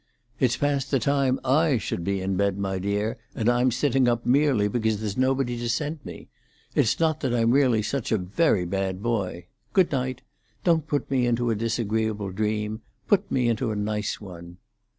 "It's past the time I should be in bed, my dear, and I'm sitting up merely because there's nobody to send me. It's not that I'm really such a very bad boy. Good night. Don't put me into a disagreeable dream; put me into a nice one."